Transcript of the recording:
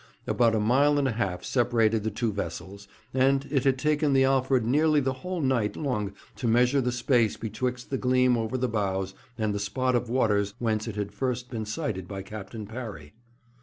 About a mile and a half separated the two vessels, and it had taken the Alfred nearly the whole night long to measure the space betwixt the gleam over the bows and the spot of waters whence it had first been sighted by Captain Parry.